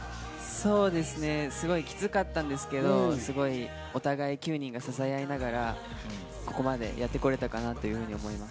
そうですね、すごくキツかったんですけど、お互い、９人が支え合いながら、ここまでやって来れたかなと思います。